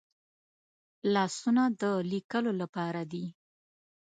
لاسونه د لیکلو لپاره دي